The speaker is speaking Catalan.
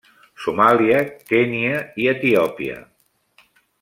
Somàlia, Kenya i Etiòpia.